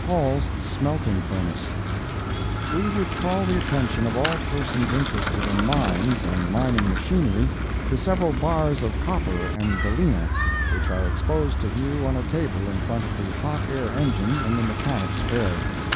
HALL'S SMELTING FURNACE We would call the attention of all persons interested in mines and mining machinery, to several bars of copper and galena, which are exposed to view on a table in front of the hot air engine in the Mechanics' Fair.